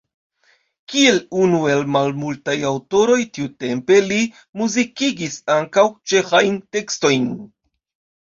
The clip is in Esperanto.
Kiel unu el malmultaj aŭtoroj tiutempe li muzikigis ankaŭ ĉeĥajn tekstojn.